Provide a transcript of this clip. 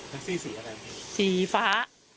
ซี่สีอะไรสีฟ้า